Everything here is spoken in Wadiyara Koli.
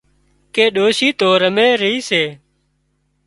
ڪي ڏوشي تو رمي رِي سي